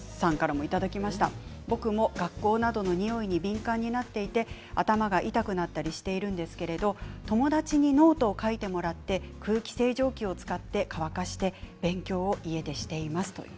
僕も学校などのにおいに敏感になっていて頭が痛くなったりしているんですけれど友達にノートを書いてもらって空気清浄機を使って乾かして勉強を家でしていますという。